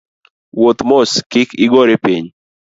Wuoth mos kik igori piny